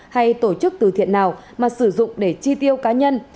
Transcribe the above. hay tổ chức từ thiện nào mà sử dụng để chi tiêu cá nhân